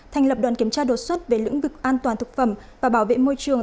thành lập đoàn kiểm tra đột xuất về lĩnh vực an toàn thực phẩm và bảo vệ môi trường